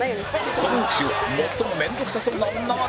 その翌週は最も面倒くさそうな女は誰だ？